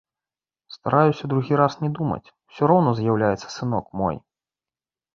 Стараюся другі раз не думаць, усё роўна з'яўляецца сынок мой.